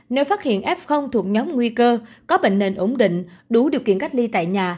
nếu phát hiện f thuộc nhóm nguy cơ có bệnh nền ổn định đủ điều kiện cách ly tại nhà